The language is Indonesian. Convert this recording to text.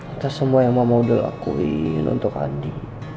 kita semua yang mama udah lakuin untuk andi